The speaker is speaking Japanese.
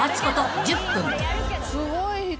すごい人。